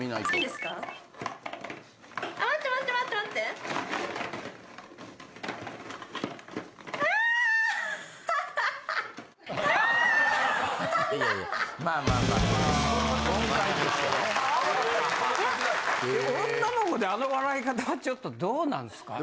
でも女の子であの笑い方はちょっとどうなんですか？